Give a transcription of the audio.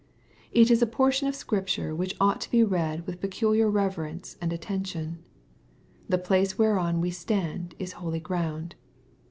It is a portion of Scripture which ought to be read with peculiar reverence and attention. The place where on we stand is holy ground.